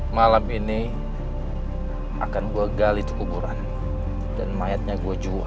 malam ini akan gue gali itu kuburan dan mayatnya gue jual